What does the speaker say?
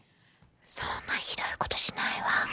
そんなひどいことしないわ。